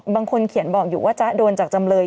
บางคนเขียนบอกอยู่ว่าจ๊ะโดนจากจำเลย